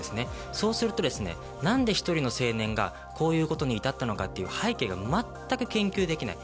そうすると何で１人の青年がこういうことに至ったのかという背景がまったく研究できない。